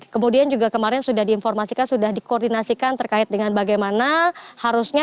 kemudian juga kemarin sudah diinformasikan sudah dikoordinasikan terkait dengan bagaimana harusnya